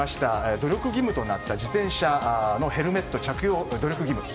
努力義務となった自転車のヘルメット着用。